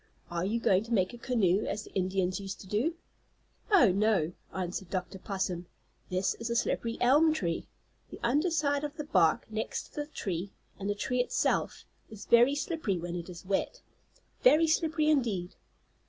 "Are you going to make a canoe, as the Indians used to do?" "Oh, no," answered Dr. Possum. "This is a slippery elm tree. The underside of the bark, next to the tree, and the tree itself, is very slippery when it is wet. Very slippery indeed."